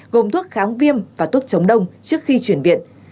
gồm thuốc kháng viêm và thuốc chống đông trước khi chuyển viện